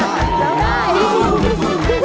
ไปครับ